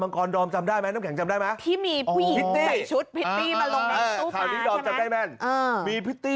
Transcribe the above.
อุ๊บ